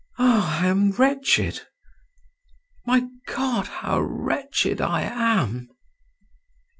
… Ah, I am wretched…. My God, how wretched I am!"